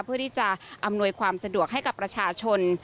เพื่อที่จะอำนวยความสะดวกให้กับประชาชน